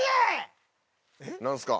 何すか？